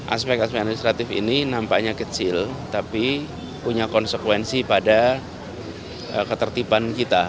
aspek aspek administratif ini nampaknya kecil tapi punya konsekuensi pada ketertiban kita